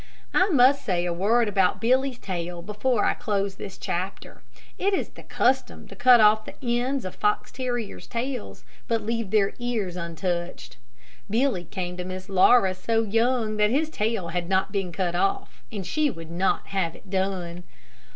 I must say a word about Billy's tail before I close this chapter. It is the custom to cut the ends of fox terrier's tails, but leave their ears untouched. Billy came to Miss Laura so young that his tail had not been cut off, and she would not have it done.